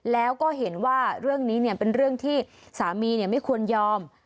แล้วก็เห็นว่าเรื่องนี้เป็นเรื่องที่สามีไม่ควรยอม